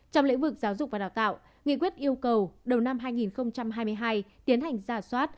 trong lĩnh vực giáo dục và đào tạo nghị quyết yêu cầu đầu năm hai nghìn hai mươi hai tiến hành giả soát